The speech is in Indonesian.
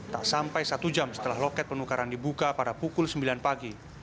tak sampai satu jam setelah loket penukaran dibuka pada pukul sembilan pagi